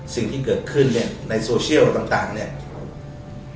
สิ่งที่เกิดขึ้นเนี่ยในโซเชียลต่างเนี่ย